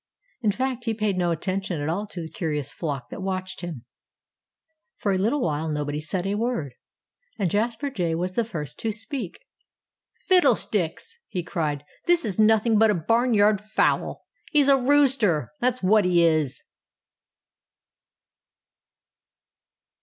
In fact, he paid no attention at all to the curious flock that watched him. For a little while nobody said a word. And Jasper Jay was the first to speak. "Fiddlesticks!" he cried. "This is nothing but a barnyard fowl. He's a rooster that's what he is!"